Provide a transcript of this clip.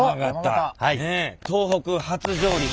東北初上陸。